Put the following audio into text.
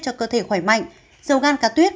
cho cơ thể khỏe mạnh dầu gan cá tuyết